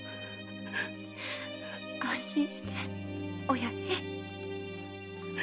安心してお八重。